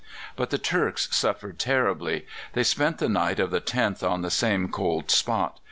But the Turks suffered terribly. They spent the night of the 10th on the same cold spot.